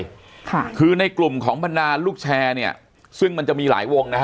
ค่ะคือในกลุ่มของบรรดาลูกแชร์เนี่ยซึ่งมันจะมีหลายวงนะฮะ